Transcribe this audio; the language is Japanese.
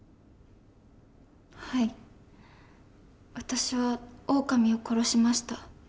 はい私はオオカミを殺しました。